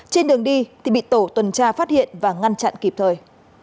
trên đường đi thì bị tổ tuần tra phát hiện và ngăn chặn kịp thời